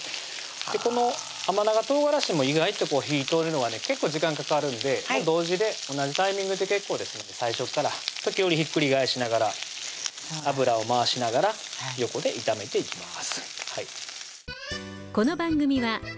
この甘長唐辛子も意外と火ぃ通るのがね結構時間かかるんで同時で同じタイミングで結構ですので最初から時折ひっくり返しながら油を回しながら横で炒めていきます